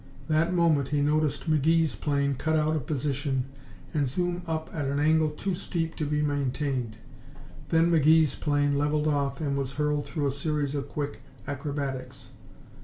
That moment he noticed McGee's plane cut out of position and zoom up at an angle too steep to be maintained. Then McGee's plane levelled off and was hurled through a series of quick acrobatics.